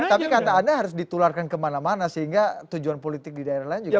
tapi kata anda harus ditularkan kemana mana sehingga tujuan politik di daerah lain juga